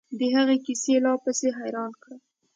د هغه کيسې لا پسې حيران کړم.